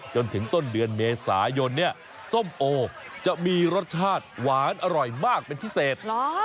จนถึงต้นเดือนเมษายนเนี่ยส้มโอจะมีรสชาติหวานอร่อยมากเป็นพิเศษ